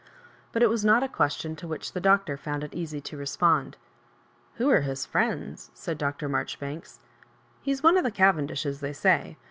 But it was not a question to which the Doctor found it easy to respond. '* Who are his friends 7 " said Dr. Marjoribank& ^ He's one of the Cavendishes, they say.